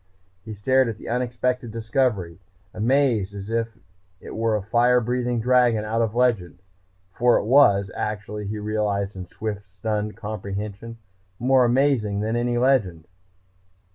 He stared at the unexpected discovery, as amazed as if it were a fire breathing dragon out of legend. For it was, actually, he realized in swift, stunned comprehension, more amazing than any legend.